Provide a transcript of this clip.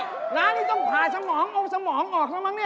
น้านี่ต้องผ่าสมองเอาสมองออกแล้วมั้งเนี่ย